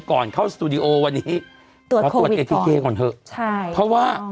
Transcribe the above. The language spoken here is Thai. ก่อนเข้าสตูดิโอวันนี้ตรวจคนเธอใช่เพราะว่า